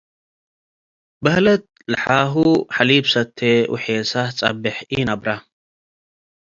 በሀለት ለሓሁ ሐሊበ ሰቴ ወሔሳሰ ጸቤሕ ኢነብረ።